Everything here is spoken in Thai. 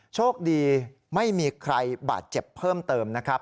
โชคดีไม่มีใครบาดเจ็บเพิ่มเติมนะครับ